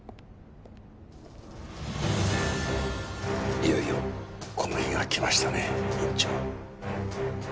いよいよこの日が来ましたね院長。